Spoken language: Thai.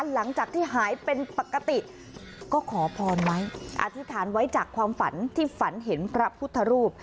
หลังจากที่หายเป็นปกติก็ขอพรไว้อธิษฐานไว้จากความฝันที่ฝันเห็นพระพุทธรูป